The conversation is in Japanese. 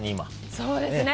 そうですね。